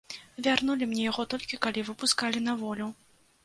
Вярнулі мне яго, толькі калі выпускалі на волю.